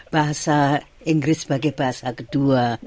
bahasa inggris sebagai bahasa kedua